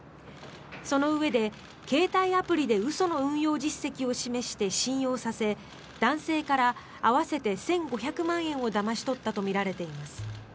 そのうえで携帯アプリで嘘の運用実績を示して信用させ男性から合わせて１５００万円をだまし取ったとみられています。